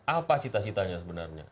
apa cita citanya sebenarnya